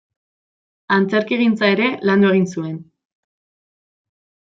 Antzerkigintza ere landu egin zuen.